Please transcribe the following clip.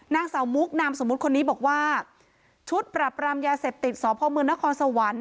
นางสาวมุกนามสมมุติคนนี้บอกว่าชุดปรับรามยาเสพติดสพมนครสวรรค์